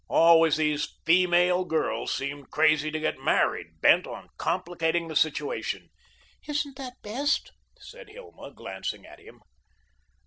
Always these feemale girls seemed crazy to get married, bent on complicating the situation. "Isn't that best?" said Hilma, glancing at him.